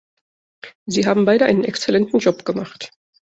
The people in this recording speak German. Sie haben beide einen exzellenten Job gemacht.